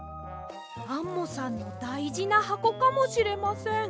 アンモさんのだいじなはこかもしれません。